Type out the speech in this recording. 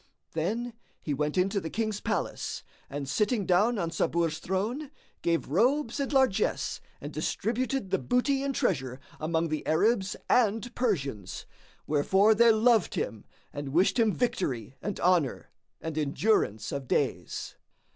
Then he went into the King's palace and sitting down on Sabur's throne, gave robes and largesse and distributed the booty and treasure among the Arabs and Persians, wherefore they loved him and wished him victory and honour and endurance of days.